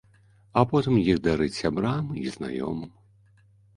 А потым іх дарыць сябрам і знаёмым.